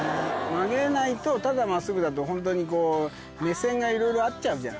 曲げないとただ真っすぐだとホントにこう目線がいろいろ合っちゃうじゃん。